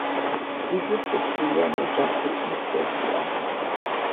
იგი ხუთშვილიან ოჯახში უმცროსია.